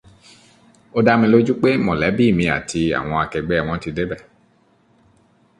Ó dá mi lójú pé mọ̀lẹ́bí mi àti àwọn akẹgbẹ́ wọn ti dé ibẹ̀